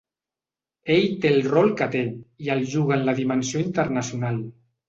Ell té el rol que té i el juga en la dimensió internacional.